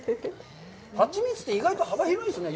ハチミツって意外と幅広いですね。